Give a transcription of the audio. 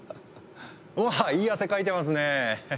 おっいい汗かいてますね！